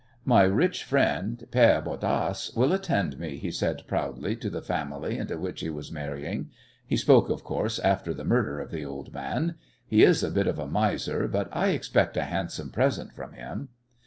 "My rich friend, Père Bodasse, will attend me," he said proudly to the family into which he was marrying. He spoke, of course, after the murder of the old man. "He is a bit of a miser, but I expect a handsome present from him."